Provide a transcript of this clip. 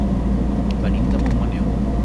Venim de Montmaneu.